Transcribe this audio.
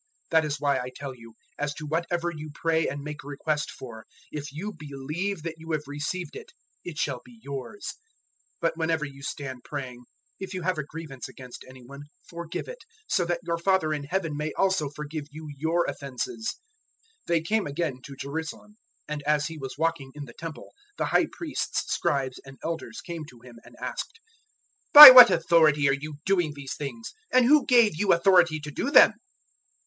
011:024 That is why I tell you, as to whatever you pray and make request for, if you believe that you have received it it shall be yours. 011:025 But whenever you stand praying, if you have a grievance against any one, forgive it, so that your Father in Heaven may also forgive you your offences." 011:026 [] 011:027 They came again to Jerusalem; and as He was walking in the Temple, the High Priests, Scribes and Elders came to Him 011:028 and asked, "By what authority are you doing these things? and who gave you authority to do them?"